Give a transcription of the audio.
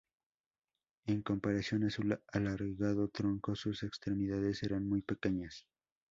En comparación a su alargado tronco, sus extremidades eran muy pequeñas.